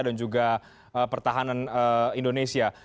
dan juga pertahanan indonesia